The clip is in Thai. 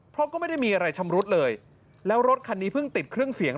เพราะก็ไม่ได้มีอะไรชำรุดเลยแล้วรถคันนี้เพิ่งติดเครื่องเสียง